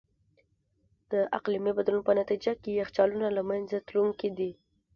د اقلیمي بدلون په نتیجه کې یخچالونه له منځه تلونکي دي.